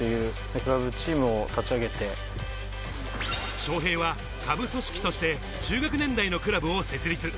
昌平は、下部組織として中学年代のクラブを設立。